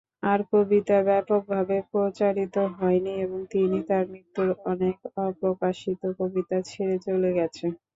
তার কবিতা ব্যাপকভাবে প্রচারিত হয়নি এবং তিনি তার মৃত্যুর অনেক অপ্রকাশিত কবিতা ছেড়ে চলে গেছে।